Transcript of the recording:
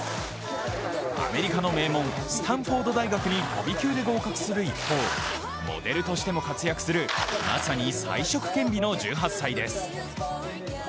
アメリカの名門・スタンフォード大学に飛び級で合格する一方、モデルとしても活躍する、まさに才色兼備の１８歳です。